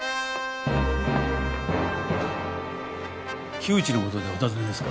木内の事でお尋ねですか？